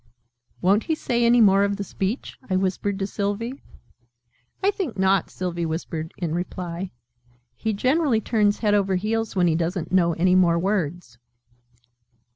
"Won't he say any more of the speech?" I whispered to Sylvie. "I think not," Sylvie whispered in reply. "He generally turns head over heels when he doesn't know any more words."